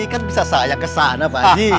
kan bisa saya kesana pak